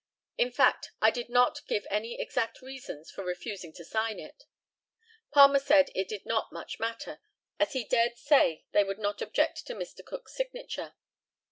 In fact, I did not give any exact reasons for refusing to sign it. Palmer said it did not much matter, as he dared say they would not object to Mr. Cook's signature.